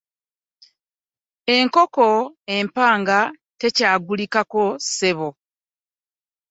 Enkoko empanga tekyagulikako ssebo.